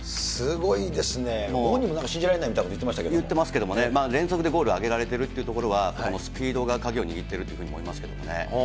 すごいですね、ご本人も信じられないみたいなことを言ってま言ってますけどね、連続でゴールを挙げられているというところは、スピードが鍵を握っているというふうに思いますけどね。